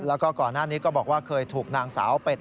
แล้วก็ก่อนหน้านี้ก็บอกว่าเคยถูกนางสาวเป็ด